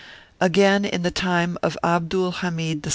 Again, in the time of Abdul Hamid 1 1.